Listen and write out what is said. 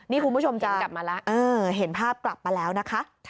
นี่คุณผู้ชมจะเห็นภาพกลับมาแล้วนะคะ